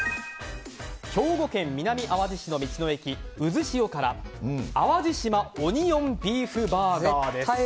兵庫県南あわじ市の道の駅うずしおからあわじ島オニオンビーフバーガー。